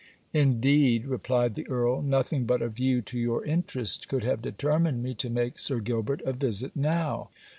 'Indeed,' replied the Earl, 'nothing but a view to your interest could have determined me to make Sir Gilbert a visit now.